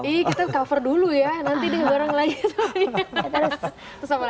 ih kita cover dulu ya nanti deh bareng lagi sama